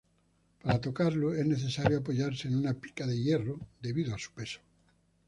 Para tocarlo, es necesario apoyarse en una pica de hierro, debido a su peso.